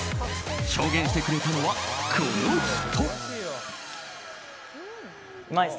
証言してくれたのは、この人。